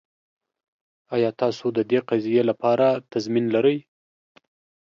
ایا تاسو د دې قضیې لپاره تضمین لرئ؟